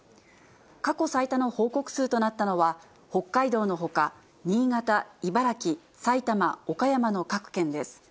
過去最多の報告数となったのは、北海道のほか、新潟、茨城、埼玉、岡山の各県です。